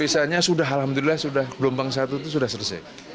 visanya sudah alhamdulillah gelombang satu itu sudah selesai